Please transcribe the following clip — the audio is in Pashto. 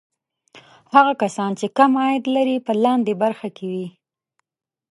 هغه کسان چې کم عاید لري په لاندې برخه کې وي.